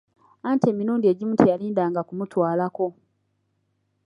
Anti emirundi egimu teyalindanga kumutwalako.